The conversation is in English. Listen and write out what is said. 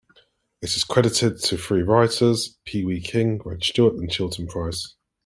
It is credited to three writers: Pee Wee King, Redd Stewart, and Chilton Price.